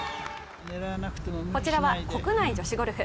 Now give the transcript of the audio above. こちらは国内女子ゴルフ。